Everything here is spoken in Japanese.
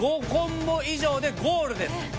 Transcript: ５コンボ以上でゴールです。